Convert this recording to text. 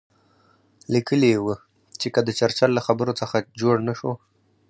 لیکلي یې وو چې که د چرچل له خبرو څه جوړ نه شو.